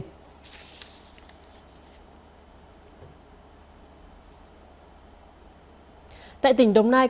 tại tỉnh đồng nai công an huyện long giang